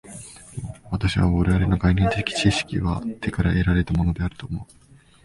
私は我々の概念的知識は手から得られたのであると思う。